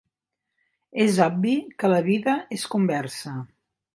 És obvi que la vida és conversa.